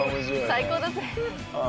「最高だぜ！」。